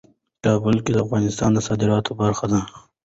کابل د افغانستان د صادراتو برخه ده.